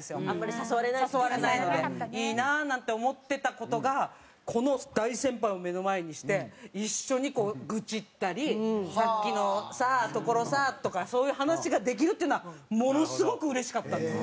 誘われないのでいいなあなんて思ってた事がこの大先輩を目の前にして一緒にこう愚痴ったり「さっきのさところさ」とかそういう話ができるっていうのはものすごくうれしかったです。